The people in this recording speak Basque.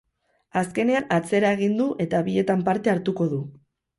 Azkenean, atzera egin du eta bietan parte hartuko du.